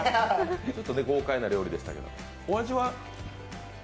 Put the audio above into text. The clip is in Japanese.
ちょっと豪快な料理でしたけど、お味は？